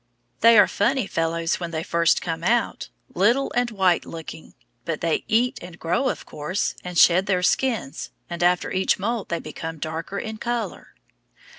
They are funny fellows when they first come out, little and white looking. But they eat and grow of course, and shed their skins, and after each moult they become darker in color.